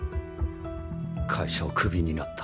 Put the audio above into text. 会社をクビになった。